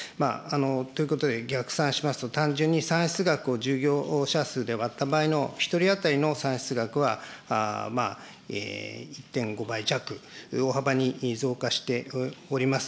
ということで、逆算しますと、単純に産出額を従業者数で割った場合の１人当たりの産出額は、１．５倍弱、大幅に増加しております。